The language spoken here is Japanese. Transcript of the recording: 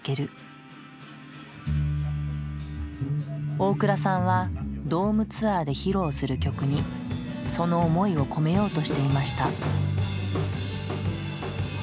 大倉さんはドームツアーで披露する曲にその思いを込めようとしていました。